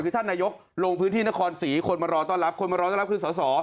คือท่านนายกลงพื้นที่นครศรีคนมารอต้อนรับคนมารอต้อนรับคือสอสอ